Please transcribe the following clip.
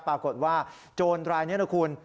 ปรากฏว่าโจรรายนี้นะคุณ